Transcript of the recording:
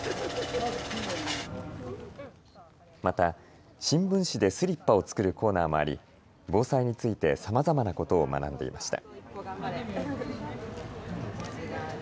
また、新聞紙でスリッパを作るコーナーもあり、防災についてさまざまなことを学んでいました。